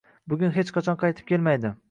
Bugun hech qachon qaytib kelmaydi